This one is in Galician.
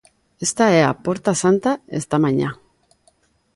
Esta é a Porta Santa esta mañá.